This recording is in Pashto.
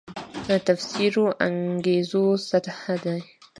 تفسیرو انګېرنو سطح دی.